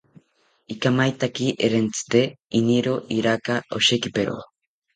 Ikamaetaki rentzite, iniro iraka oshekipero